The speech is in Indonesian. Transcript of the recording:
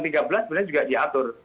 sebenarnya juga diatur